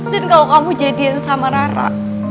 dan kalo kamu jadian sama rara